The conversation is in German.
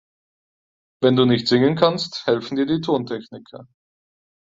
Wenn du nicht singen kannst, helfen dir die Tontechniker.